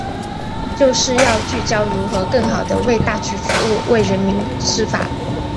就是要聚焦如何更好地为大局服务、为人民司法